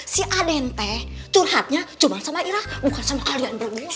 si a dente curhatnya cuma sama ira bukan sama kalian berdua